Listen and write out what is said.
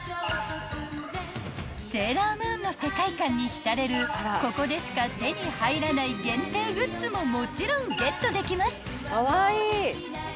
［『セーラームーン』の世界観に浸れるここでしか手に入らない限定グッズももちろんゲットできます］